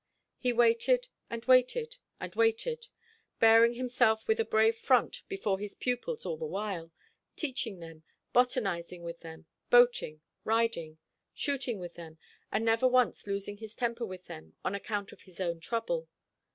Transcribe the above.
He waited, and waited, and waited; bearing himself with a brave front before his pupils all the while, teaching them, botanising with them, boating, riding; shooting with them, and never once losing temper with them on account of his own trouble.